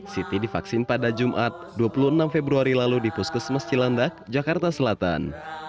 siti divaksin pada jumat dua puluh enam februari lalu di puskesmas cilandak jakarta selatan